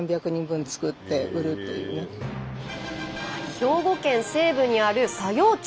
兵庫県西部にある佐用町。